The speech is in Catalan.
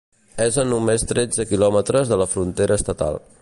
És a només tretze quilòmetres de la frontera estatal.